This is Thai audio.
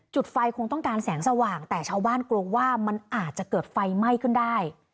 จุดไฟคงต้องการแสงสว่างแต่ชาวบ้านกลัวว่ามันอาจจะเกิดไฟไหม้ขึ้นได้